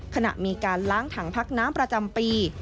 ขณะมีการล้างถังพักน้ำประจำปี